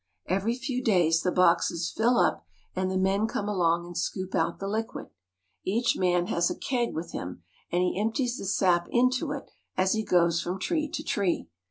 Every few days the boxes fill up, and the men come along and scoop out the liquid. Each man has a keg with him, and he empties the sap into it as he goes from tree to tree.